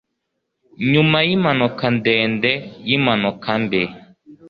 Nyuma yimpanuka ndende yimpanuka mbi